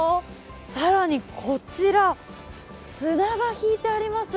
更にこちら、砂がひいてあります。